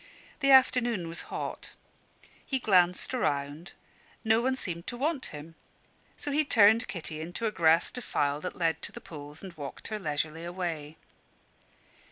The afternoon was hot. He glanced round no one seemed to want him: so he turned Kitty into a grassy defile that led to the pools, and walked her leisurely away.